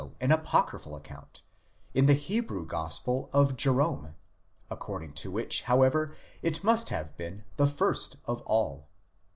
RESURRECTION OF JESUS, 725 apocryphal account, in the Hebrew gospel of Jerome, according to which however it must have been the first of all.